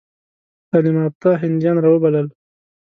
تعلیم یافته هندیان را وبلل.